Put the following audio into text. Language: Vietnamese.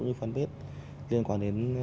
như fanpage liên quan đến